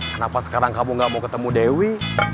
kenapa sekarang kamu gak mau ketemu dewi